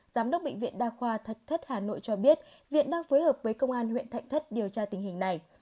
giám đốc bệnh viện đa khoa thạch thất hà nội cho biết viện đang phối hợp với công an huyện thạnh thất điều tra tình hình này